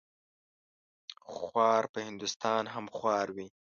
خوار په هندوستان هم خوار وي.